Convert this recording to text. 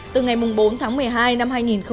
từ ngày bốn tháng một mươi hai năm hai nghìn một mươi chín